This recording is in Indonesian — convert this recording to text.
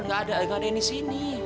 nggak ada nggak ada yang di sini